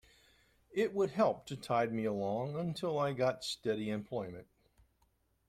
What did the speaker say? It would help to tide me along until I got steady employment.